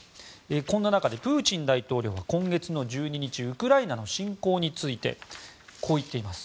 こんな中で、プーチン大統領今月１２日ウクライナの侵攻についてこう言っています。